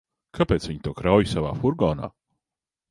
Kāpēc viņa to krauj savā furgonā?